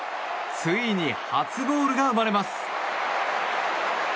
ついに初ゴールが生まれます。